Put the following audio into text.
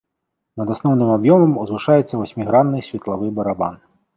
Над асноўным аб'ёмам узвышаецца васьмігранны светлавы барабан.